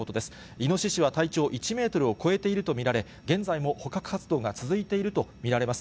イノシシは体長１メートルを超えていると見られ、現在も捕獲活動が続いていると見られます。